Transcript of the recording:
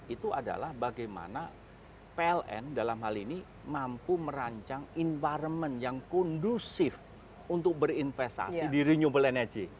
itu adalah bagaimana pln dalam hal ini mampu merancang environment yang kondusif untuk berinvestasi di renewable energy